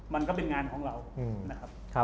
มันก็เป็นงานของเรา